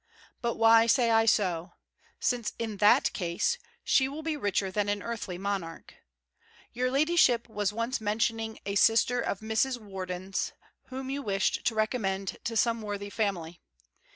But why say I so! Since, in that case, she will be richer than an earthly monarch! Your ladyship was once mentioning a sister of Mrs. Worden's whom you wished to recommend to some worthy family.